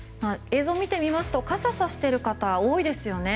映像を見てみますと傘をさしている方多いですよね。